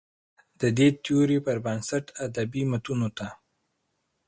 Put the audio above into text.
د دې تيورۍ پر بنسټ ادبي متونو ته